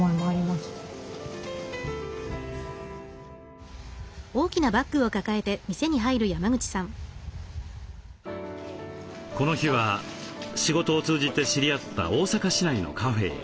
この日は仕事を通じて知り合った大阪市内のカフェへケーキの納品です。